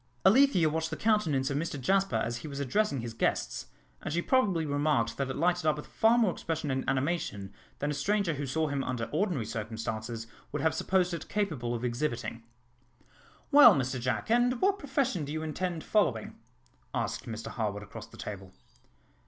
Alethea watched the countenance of Mr Jasper as he was addressing his guests, and she probably remarked that it lighted up with far more expression and animation than a stranger who saw him under ordinary circumstances would have supposed it capable of exhibiting. "Well, Mr Jack, and what profession do you intend following?" asked Mr Harwood across the table.